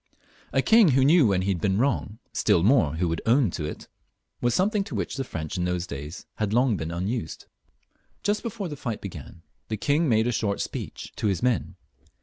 A king who knew when he had been wrong, still more, who would own it, was something to which the French in those days had long been unused. Just before the fight b^an the king made a short speech to his men.